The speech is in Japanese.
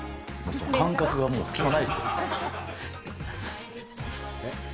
間隔がもう、隙間ないですよ。